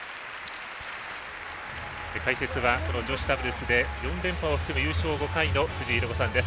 解説はこの女子ダブルスで４連覇を含む優勝５回の藤井寛子さんです。